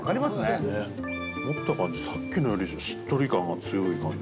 富澤：持った感じ、さっきのよりしっとり感が強いなって。